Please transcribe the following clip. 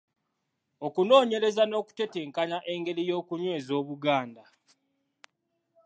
Okunoonyereza n'okuteteenkanya engeri y'okunyweza Obuganda.